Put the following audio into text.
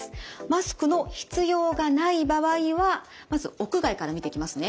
マスクの必要がない場合はまず屋外から見ていきますね。